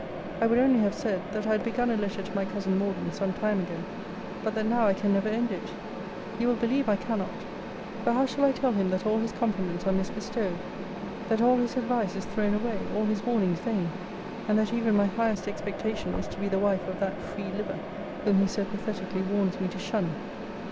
I would only have said, that I had begun a letter to my cousin Morden some time ago: but that now I can never end it. You will believe I cannot: for how shall I tell him that all his compliments are misbestowed? that all his advice is thrown away? all his warnings vain? and that even my highest expectation is to be the wife of that free liver, whom he so pathetically warns me to shun?